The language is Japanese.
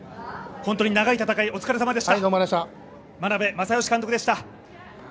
本当に長い戦い、お疲れさまでした。